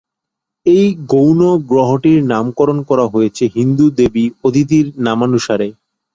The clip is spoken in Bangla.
এই গৌণ গ্রহটির নামকরণ করা হয়েছে হিন্দু দেবী অদিতির নামানুসারে।